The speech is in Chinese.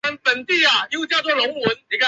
华顿路球场共用球场。